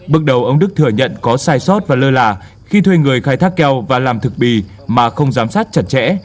bước đầu ông đức thừa nhận có sai sót và lơ là khi thuê người khai thác keo và làm thực bì mà không giám sát chặt chẽ